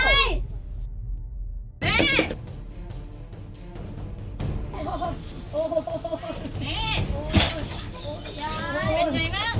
เป็นไงบ้าง